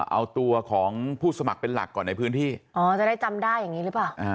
เอาตัวของผู้สมัครเป็นหลักก่อนในพื้นที่อ๋อจะได้จำได้อย่างนี้หรือเปล่า